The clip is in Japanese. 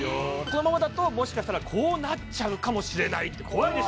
このままだともしかしたらこうなっちゃうかもしれないって怖いでしょ？